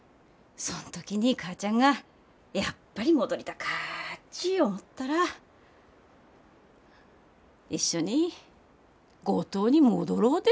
そん時に母ちゃんがやっぱり戻りたかっち思ったら一緒に五島に戻ろうで。